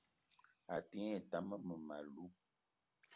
A te ngne tam mmem- alou